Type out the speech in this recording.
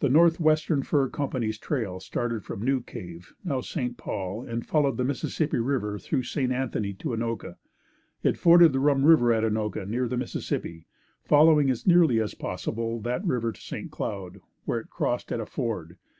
The Northwestern Fur Company's trail started from New Cave, now St. Paul, and followed the Mississippi River through St. Anthony to Anoka. It forded the Rum River at Anoka, near the Mississippi, following as nearly as possible that river to St. Cloud, where it crossed at a ford.